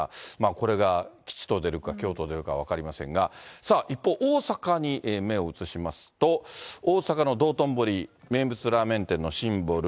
これが吉と出るか、凶と出るか分かりませんが、さあ、一方、大阪に目を移しますと、大阪の道頓堀、名物ラーメン店のシンボル。